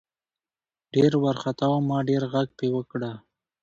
ډېر ورخطا وو ما ډېر غږ پې وکړه .